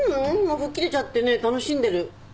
もう吹っ切れちゃってね楽しんでる。